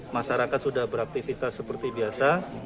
masyarakat sudah beraktivitas seperti biasa